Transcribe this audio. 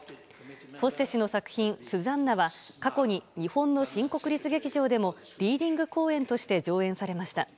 フォッセ氏の作品「スザンナ」は過去に日本の新国立劇場でもリーディング公演として上演されました。